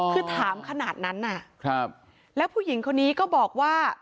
คือถามขนาดนั้นแล้วผู้หญิงคนนี้ก็บอกว่า